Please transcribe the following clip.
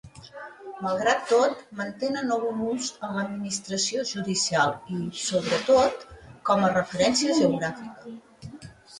Malgrat tot, mantenen algun ús en l’administració judicial i, sobretot, com a referència geogràfica.